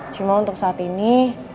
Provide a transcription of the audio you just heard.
cuma untuk saat ini